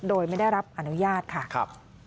โดยไม่ได้รับอนุญาตค่ะ